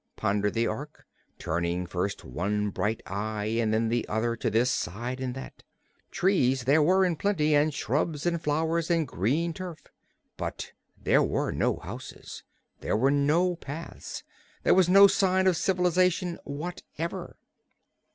pondered the Ork, turning first one bright eye and then the other to this side and that. Trees there were, in plenty, and shrubs and flowers and green turf. But there were no houses; there were no paths; there was no sign of civilization whatever.